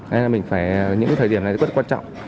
thế là mình phải những thời điểm này rất là quan trọng